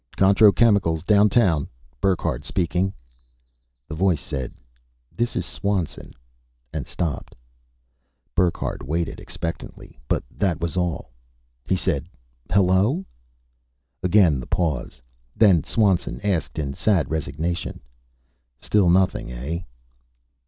"Contro Chemicals Downtown, Burckhardt speaking." The voice said, "This is Swanson," and stopped. Burckhardt waited expectantly, but that was all. He said, "Hello?" Again the pause. Then Swanson asked in sad resignation, "Still nothing, eh?"